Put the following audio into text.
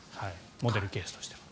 モデルケースとしては。